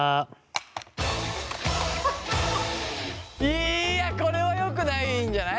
いやこれはよくないんじゃない？